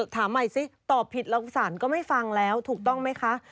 ถามใหม่สิตอบผิดแล้วสารก็ไม่ฟังแล้วถูกต้องไหมคะ